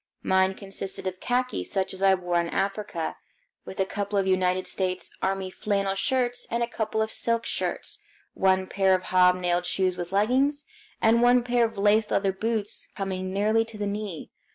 Mine consisted of khaki, such as I wore in Africa, with a couple of United States Army flannel shirts and a couple of silk shirts, one pair of hob nailed shoes with leggings, and one pair of laced leather boots coming nearly to the knee.